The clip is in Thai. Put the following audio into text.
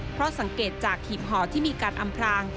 เพราะสังเกตจากหีบห่อที่มีการอำพราง